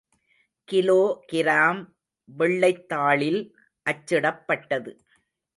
Kilo gram வெள்ளைத் தாளில் அச்சிடப்பட்டது.